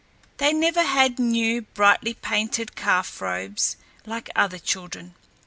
They never had new, brightly painted calf robes, like other children.